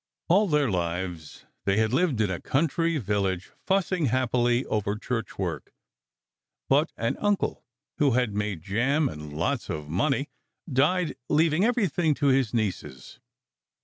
All their lives they had lived in a country village, fussing happily over church work; but an uncle, who had made jam and lots of money, died, leaving everything to his nieces.